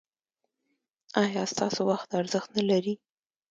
ایا ستاسو وخت ارزښت نلري؟